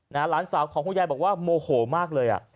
หลานสาวของคุณยายบอกว่าโมโหมากเลยอ่ะ